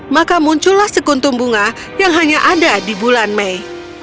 maka muncullah sekuntum bunga yang hanya ada di bulan mei